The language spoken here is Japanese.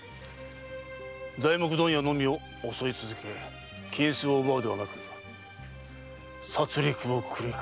材木問屋のみを襲い続け金子を奪うではなく殺戮を繰り返す。